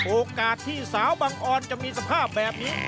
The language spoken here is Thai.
โอกาสที่สาวบังออนจะมีสภาพแบบนี้